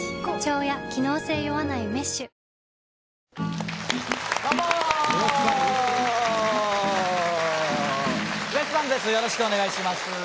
よろしくお願いします。